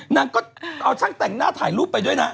นางก็เอาช่างแต่งหน้าถ่ายรูปไปด้วยนะ